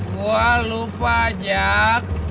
gua lupa jak